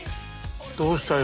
どうしたよ？